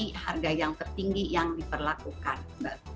dari harga yang tertinggi yang diperlakukan mbak